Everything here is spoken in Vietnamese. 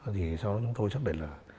thì sau đó chúng tôi xác định là